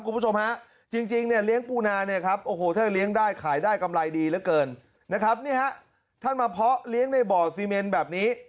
คุณผู้ชมฮะจริงเนี่ยเลี้ยงปูนาเนี่ยครับโอ้โหถ้าเลี้ยงได้ขายได้กำไรดีเหลือเกินนะครับนี่ฮะท่านมาเพาะเลี้ยงในบ่อซีเมนแบบนี้